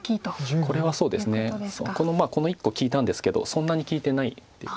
これはこの１個利いたんですけどそんなに利いてないっていうことです。